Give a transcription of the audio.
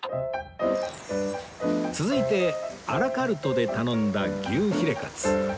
続いてアラカルトで頼んだ牛ヒレカツ